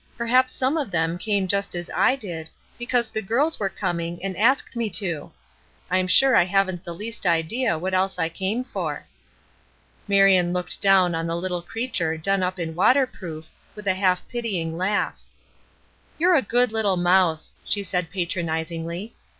Perhaps some of them came just as I did, because the girls were coming and asked me to. I'm sure I haven't the least idea what else I came for." Marion looked down on the little creature done up in water proof, with a half pitying laugh. "You are a good little mouse," she said patronizingly.